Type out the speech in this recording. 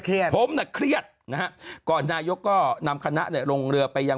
ผมน่ะเครียดนะฮะก่อนนายกก็นำคณะเนี่ยลงเรือไปยัง